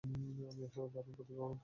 আপনি আসলেই দারুণ প্রতিভাবান।